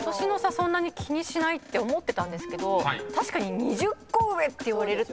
そんなに気にしないって思ってたんですけど確かに２０個上っていわれると。